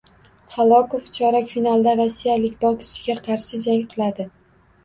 Halokov chorak finalda rossiyalik bokschiga qarshi jang qiladi